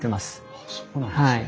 あっそうなんですね。